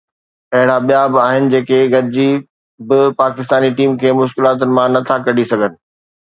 اهڙا ٻيا به آهن جيڪي گڏجي به پاڪستاني ٽيم کي مشڪلاتن مان نه ٿا ڪڍي سگهن.